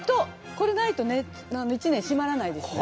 これないとね、１年締まらないですよね。